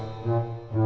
udah gabung dong faron